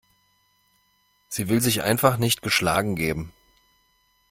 Sie will sich einfach nicht geschlagen geben.